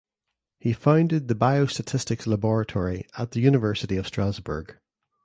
He founded the biostatistics laboratory at the University of Strasbourg.